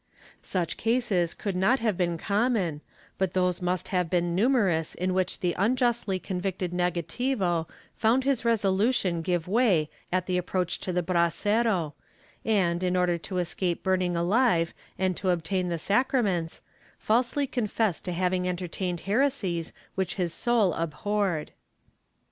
Such cases could not have been common, but those nmst have been numerous in which the unjustly convicted negative found his resolution give way at the approach to the brasero and, in order to escape burning alive and to obtain the sacraments, falsely confessed to having entertained heresies which his soul abhorred.